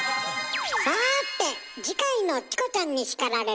さて次回の「チコちゃんに叱られる！」